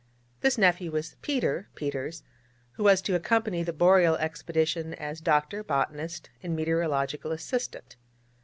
This nephew was Peter Peters, who was to accompany the Boreal expedition as doctor, botanist, and meteorological assistant.